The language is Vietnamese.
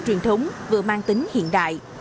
truyền thống vừa mang tính hiện đại